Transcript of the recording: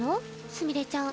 すみれちゃん。